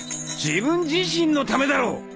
自分自身のためだろう！